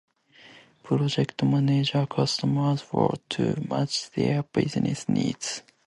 Project managers customise workflows to match their business needs.